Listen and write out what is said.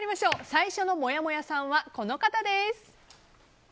最初のもやもやさんはこの方です！